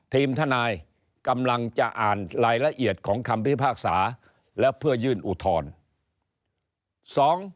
ทีมทนายกำลังจะอ่านรายละเอียดของคำพิพากษาแล้วเพื่อยื่นอุทธรณ์